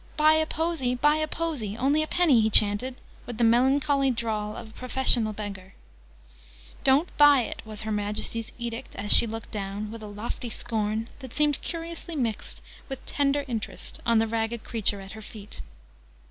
"Buy a posy, buy a posy! Only a 'ap'ny!" he chanted, with the melancholy drawl of a professional beggar. "Don't buy it!" was Her Majesty's edict as she looked down, with a lofty scorn that seemed curiously mixed with tender interest, on the ragged creature at her feet.